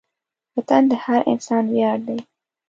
وطن د هر انسان ویاړ دی.